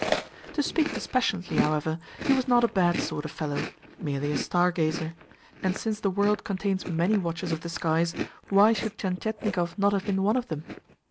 To speak dispassionately, however, he was not a bad sort of fellow merely a star gazer; and since the world contains many watchers of the skies, why should Tientietnikov not have been one of them?